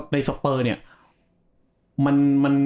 ในสเปอร์เนี่ยมัน